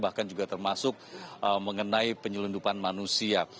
bahkan juga termasuk mengenai penyelundupan manusia